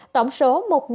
tổng số một ba trăm năm mươi